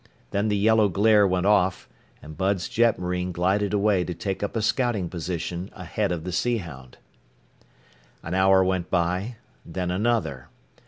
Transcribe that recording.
Then the yellow glare went off, and Bud's jetmarine glided away to take up a scouting position ahead of the Sea Hound. An hour went by, then another.